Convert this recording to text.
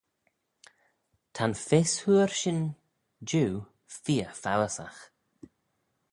Ta'n fys hooar shin jiu feer foaysagh.